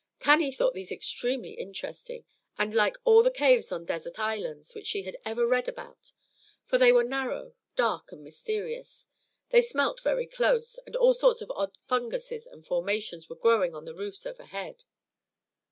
Cannie thought these extremely interesting, and like all the caves on desert islands which she had ever read about; for they were narrow, dark, and mysterious, they smelt very close, and all sorts of odd funguses and formations were growing on the roofs overhead.